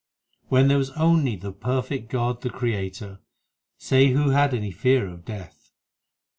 When there was only the perfect God the Creator, Say who had any fear of Death.